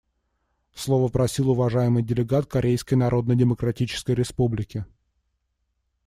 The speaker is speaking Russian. Слова просил уважаемый делегат Корейской Народно-Демократической Республики.